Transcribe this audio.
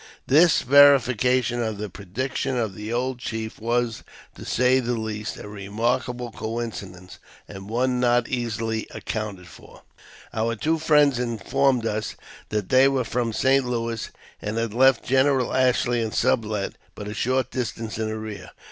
This verification of the prediction of the old chief was, to say the least, a remarkable coincidence, and one not easily accounted for. Our two friends informed us that they were from St. Louis, and had left General Ashley and Sublet but a short distance in the rear.